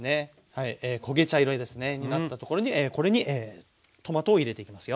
焦げ茶色にですねになったところにこれにトマトを入れていきますよ。